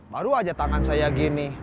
baru aja tangan saya gini